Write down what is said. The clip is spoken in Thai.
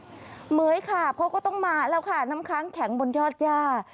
เหมือยขาบเขาก็ต้องมาแล้วค่ะน้ำค้างแข็งบนยอดย่า